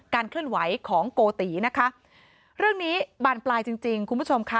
เคลื่อนไหวของโกตินะคะเรื่องนี้บานปลายจริงจริงคุณผู้ชมค่ะ